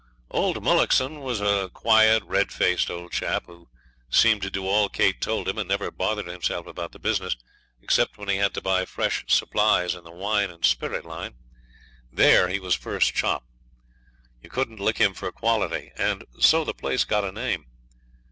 Old Mullockson was a quiet, red faced old chap, who seemed to do all Kate told him, and never bothered himself about the business, except when he had to buy fresh supplies in the wine and spirit line. There he was first chop. You couldn't lick him for quality. And so the place got a name.